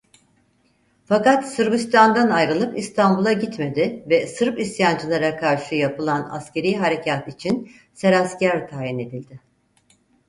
Fakat Sırbistan'dan ayrılıp İstanbul'a gitmedi ve Sırp isyancılara karşı yapılan askerî harekât için serasker tayin edildi.